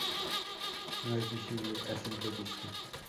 No es visible a simple vista.